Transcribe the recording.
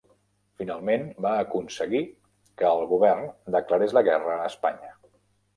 Finalment va aconseguir que el govern declarés la guerra a Espanya.